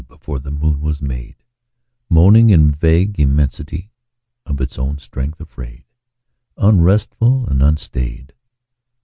Before the moon was made, Moaning in vague immensity, Of its own strength afraid, Unresful and unstaid.